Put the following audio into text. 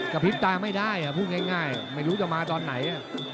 พริบตาไม่ได้พูดง่ายไม่รู้จะมาตอนไหน